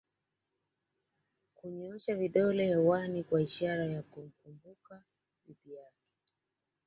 kunyoosha vidole hewani kwa ishara ya kumkumbuka bibi yake